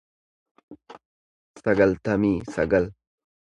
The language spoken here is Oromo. sagaltamii sagal